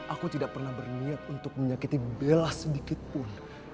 aku tidak pernah berniat untuk menyakiti bella sedikitpun